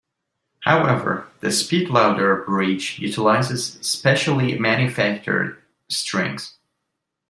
However, the SpeedLoader bridge utilizes specially manufactured strings.